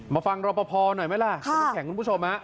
มาฟังรอปภหน่อยไหมล่ะ